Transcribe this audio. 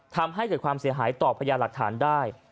ทำให้เกิดความเสียหายต่อพญาหลักฐานได้